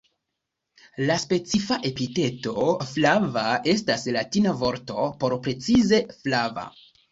La specifa epiteto "flava" estas latina vorto por precize "flava".